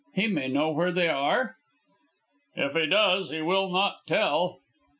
He may know where they are?" "If he does he will not tell."